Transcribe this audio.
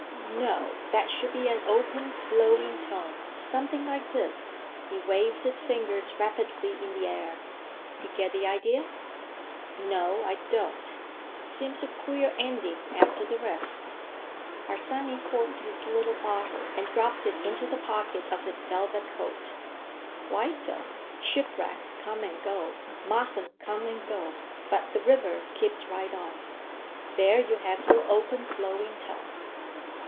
"No, that should be an open, flowing tone, something like this,"—he waved his fingers rapidly in the air. "You get the idea?" "No, I don't. Seems a queer ending, after the rest." Harsanyi corked his little bottle and dropped it into the pocket of his velvet coat. "Why so? Shipwrecks come and go, Märchen come and go, but the river keeps right on. There you have your open, flowing tone."